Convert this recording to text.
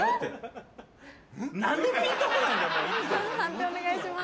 判定お願いします。